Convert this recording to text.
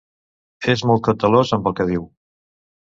És molt cautelós amb el que diu.